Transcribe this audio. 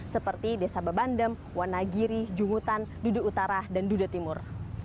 seperti desa bebandem wanagiri jungutan dudu utara dan dude timur